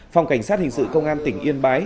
phòng cảnh sát hình sự công an tỉnh yên bái